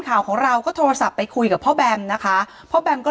ข่าวของเราก็โทรศัพท์ไปคุยกับพ่อแบมนะคะพ่อแบมก็